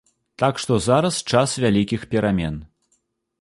Так што зараз час вялікіх перамен.